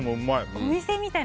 お店みたいな。